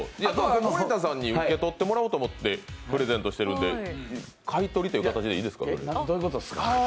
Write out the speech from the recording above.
森田さんに受け取ってもらおうと思ってプレゼントしているんで買い取りという形でいいですか？